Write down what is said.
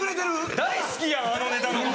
大好きやんあのネタ。